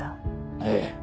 ええ。